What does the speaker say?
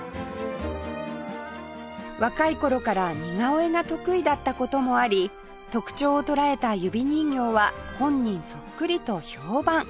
若い頃から似顔絵が得意だった事もあり特徴を捉えた指人形は本人そっくりと評判